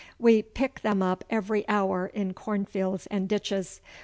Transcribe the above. We pick them up every houre in cornfields and ditches.